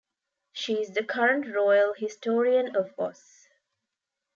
She is the current Royal Historian of Oz.